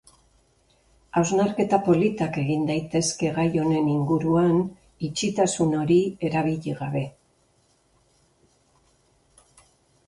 Hausnarketa politak egin daitezke gai honen inguruan itxitasun hori erabili gabe.